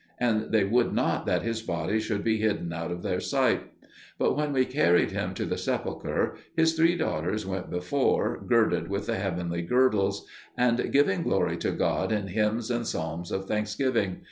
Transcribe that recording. And they would not that his body should be hidden out of their sight. But when we carried him to the sepulchre, his three daughters went before, girded with the heavenly girdles, and giving glory to God in hymns and psalms of thanksgiving.